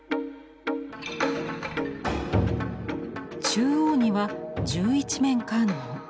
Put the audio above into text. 中央には十一面観音。